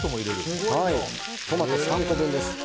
トマト３個分です。